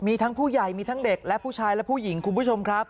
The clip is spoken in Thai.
มีทั้งผู้ใหญ่มีทั้งเด็กและผู้ชายและผู้หญิงคุณผู้ชมครับ